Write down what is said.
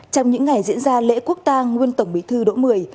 trong những ngày diễn ra lễ quốc tang nguyên tổng bí thư đỗ mười